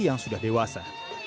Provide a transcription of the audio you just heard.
yang sudah dewasa